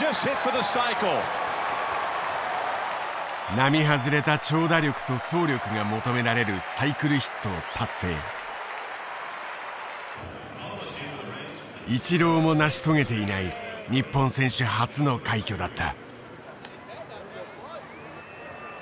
並外れた長打力と走力が求められるイチローも成し遂げていない日本選手初の快挙だった。